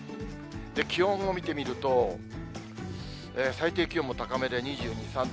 気温を見てみると、最低気温も高めで、２２、３度。